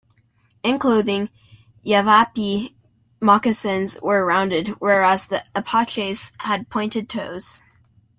In clothing, Yavapai moccasins were rounded, whereas the Apaches had pointed toes.